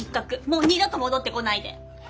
もう二度と戻ってこないで。